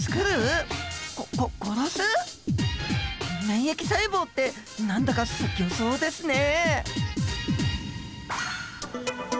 免疫細胞って何だかすっギョそうですね。